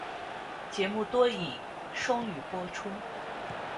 节目多以双语播出。